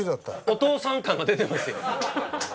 お父さん感が出てますよ。